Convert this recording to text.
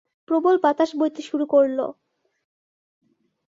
প্রবল বাতাস বইতে শুরু করল!